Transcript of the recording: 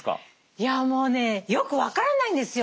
いやもうねよく分からないんですよ。